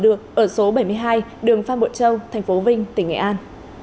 ở số bảy mươi hai đường phan bộ châu tp vinh tỉnh nghệ an